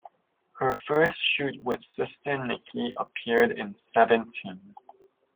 Her first shoot with sister Niki appeared in "Seventeen".